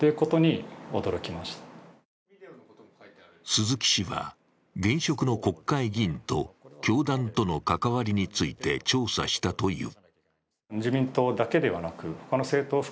鈴木氏は現職の国会議員と教団との関わりについて調査したという。